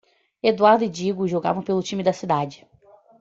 Eduardo e Digo jogavam pelo time da cidade.